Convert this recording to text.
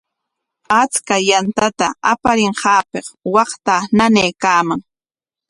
Achka yantata aparinqaapik waqtaa nanaykaaman.